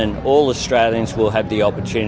dan semua orang australia akan memiliki kesempatan